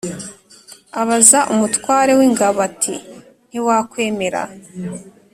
Abaza umutware w ingabo ati ntiwakwemera